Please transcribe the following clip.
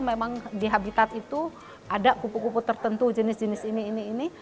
memang di habitat itu ada kupu kupu tertentu jenis jenis ini ini ini